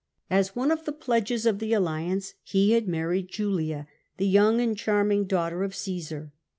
As one of the pledges of the alliance, he had married Julia, the young and charming daughter of Caesar.